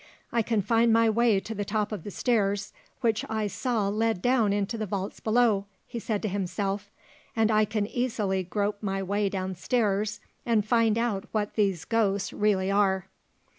"I can find my way to the top of the stairs which I saw led down into the vaults below," he said to himself, "and I can easily grope my way down stairs, and find out what these ghosts really are."